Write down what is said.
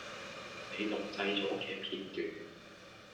您錄製左既片段